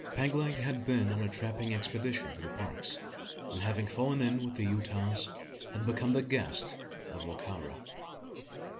Peg leg had been on a trapping expedition to the Parks; and having fallen in with the Utahs, had become the guest of Wa ka ra.